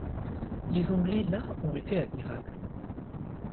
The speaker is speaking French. Les Anglais là ont été admirables.